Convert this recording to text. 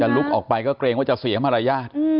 ลุกออกไปก็เกรงว่าจะเสียมารยาท